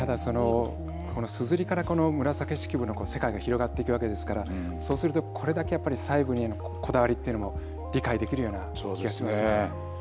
すずりから紫式部の世界が広がっていくわけですからそうするとこれだけ細部へのこだわりというのは理解できるような気がしますね。